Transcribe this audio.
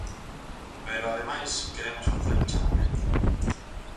Pero, ademais, queremos facer un chamamento.